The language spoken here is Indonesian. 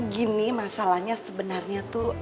gini masalahnya sebenarnya tuh